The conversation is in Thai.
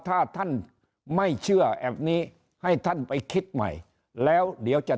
ถ้าท่านไม่เชื่อแอปนี้ให้ท่านไปคิดใหม่แล้วเดี๋ยวจะ